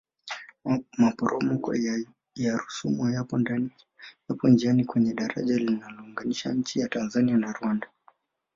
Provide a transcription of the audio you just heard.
maporomoko ya rusumo yapo njiani kwenye dajara linalounganisha nchi ya tanzania na rwanda